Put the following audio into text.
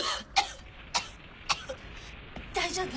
大丈夫？